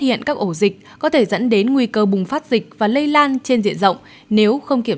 hiện các ổ dịch có thể dẫn đến nguy cơ bùng phát dịch và lây lan trên diện rộng nếu không kiểm